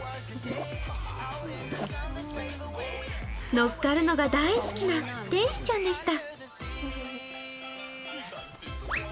乗っかるのが大好きな天使ちゃんでした。